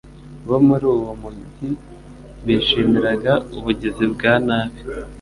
bo muri uwo mugi bishimiraga ubugizi bwa nabi.